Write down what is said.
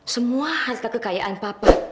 semua harta kekayaan papa